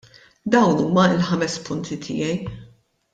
Dawn huma l-ħames punti tiegħi.